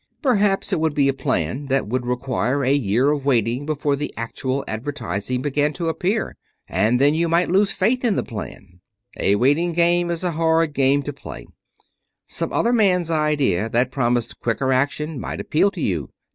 Perhaps it would be a plan that would require a year of waiting before the actual advertising began to appear. And then you might lose faith in the plan. A waiting game is a hard game to play. Some other man's idea, that promised quicker action, might appeal to you.